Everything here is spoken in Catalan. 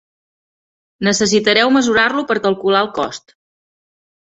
Necessitareu mesurar-lo per calcular el cost.